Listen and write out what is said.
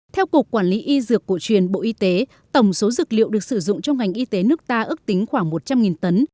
theo cục quản lý y dược cổ truyền bộ y tế tổng số dược liệu được sử dụng trong ngành y tế nước ta ước tính khoảng một trăm linh tấn